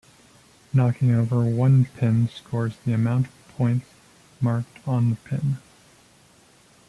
Knocking over one pin scores the amount of points marked on the pin.